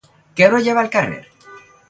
Què brollava al carrer?